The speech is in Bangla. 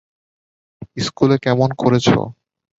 স্কুলে কেমন করেছ?